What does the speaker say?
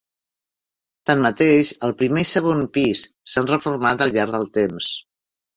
Tanmateix, el primer i segon pis, s'han reformat al llarg del temps.